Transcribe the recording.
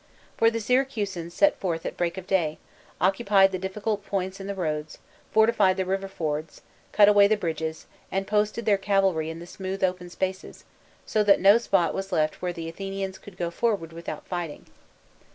For the Syracusans set forth at break of day, occupied the difficult points in the roads, fortified the river fords, cut away the bridges, and posted their cavalry in the smooth open spaces, so that no spot was left where the Athenians could go forward with out fighting.